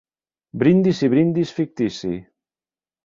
Brindis i brindis fictici!